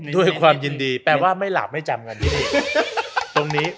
ด้วยความยินดีแปลว่าไม่หลาบไม่จำกันที่นี่ตรงนี้